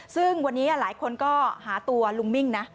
ซึ่งวันนี้หลายคนก็หาตัวลุงมิ่งนะ